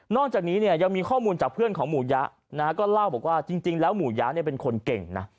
จากนี้เนี่ยยังมีข้อมูลจากเพื่อนของหมู่ยะนะฮะก็เล่าบอกว่าจริงแล้วหมู่ยะเนี่ยเป็นคนเก่งนะ